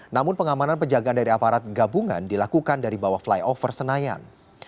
namun pengamanan penjagaan dari aparat gabungan dilakukan dari bawah flyover senayan